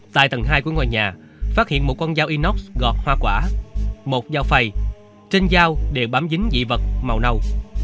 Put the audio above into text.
tại tầng hai của ngôi nhà phát hiện một con dao inox gọt hoa quả một dao phầy trên dao đều bám dính dị vật màu nâu